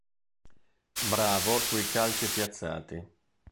Bravo sui calci piazzati.